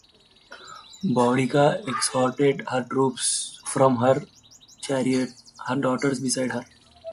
Boudica exhorted her troops from her chariot, her daughters beside her.